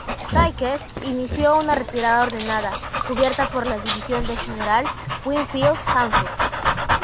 Sykes inició una retirada ordenada, cubierta por la división del general Winfield S. Hancock.